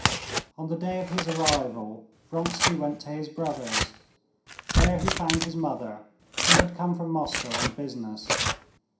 On the day of his arrival Vronsky went to his brother's. There he found his mother, who had come from Moscow on business.